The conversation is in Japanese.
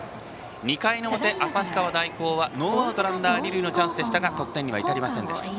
２回表、旭川大高はノーアウトランナー、二塁のチャンスでしたが得点には至りませんでした。